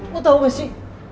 lo tau gak sih